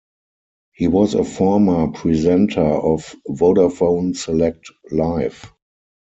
He was a former presenter of Vodafone Select Live.